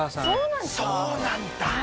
そうなんだ！